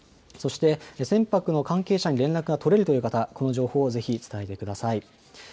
そして、船舶の関係者に連絡が取れるという方、この情報をぜひ伝えてください。